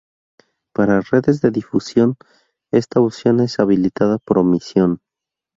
Para redes de difusión, esta opción es habilitada por omisión.